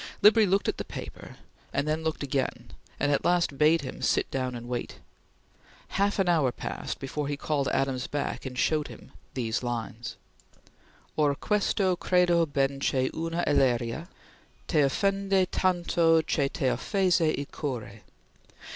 Libri looked at the paper, and then looked again, and at last bade him sit down and wait. Half an hour passed before he called Adams back and showed him these lines: "Or questo credo ben che una elleria Te offende tanto che te offese il core.